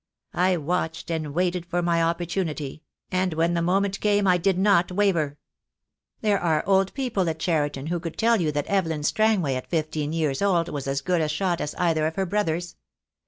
I watched and waited for my opportunity; and when the moment came I did not waver. There are old people at Cheriton who could tell you that Evelyn Strangway at fifteen years old was as good a shot as either of her brothers.